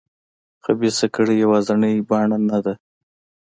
خبیثه کړۍ یوازینۍ بڼه نه ده.